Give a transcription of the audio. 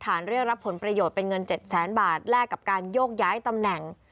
เรียกรับผลประโยชน์เป็นเงิน๗แสนบาทแลกกับการโยกย้ายตำแหน่ง